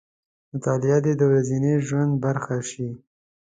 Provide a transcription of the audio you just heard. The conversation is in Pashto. مطالعه دې د ورځني ژوند برخه شي.